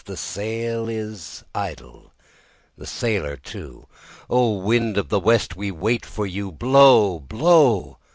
The sail is idle, the sailor too; O! wind of the west, we wait for you. Blow, blow!